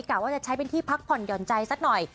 กะว่าจะใช้เป็นที่พักผ่อนหย่อนใจสักหน่อย